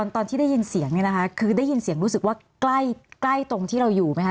ตอนที่ได้ยินเสียงเนี่ยนะคะคือได้ยินเสียงรู้สึกว่าใกล้ตรงที่เราอยู่ไหมคะ